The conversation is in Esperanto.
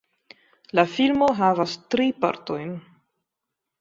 La filmo havas tri partojn.